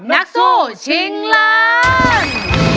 นักสู้ชิงล้าน